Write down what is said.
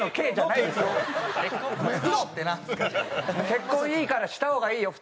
結婚いいからした方がいいよ